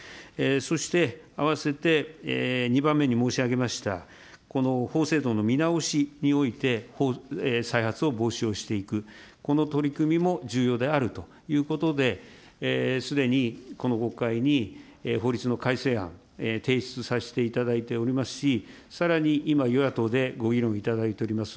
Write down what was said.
そしてあわせて、２番目に申し上げました、法制度の見直しにおいて再発を防止をしていく、この取り組みも重要であるということで、すでにこの国会に法律の改正案、提出させていただいておりますし、さらに今、与野党でご議論いただいております